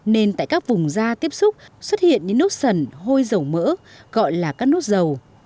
nên tại các vùng da tiếp xúc xuất hiện những nốt sần hôi dầu mỡ gọi là các nốt dầu